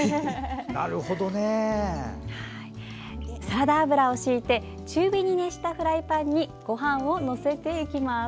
サラダ油を敷いて中火に熱したフライパンにごはんを載せていきます。